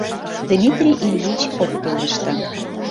Дмитрий Ильич ок пелеште.